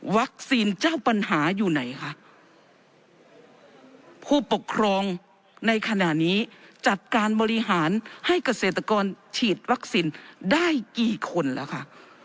เจ้าปัญหาอยู่ไหนคะผู้ปกครองในขณะนี้จัดการบริหารให้เกษตรกรฉีดวัคซีนได้กี่คนแล้วค่ะ